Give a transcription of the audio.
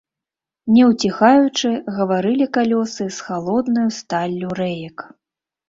Не ўціхаючы, гаварылі калёсы з халоднаю сталлю рэек.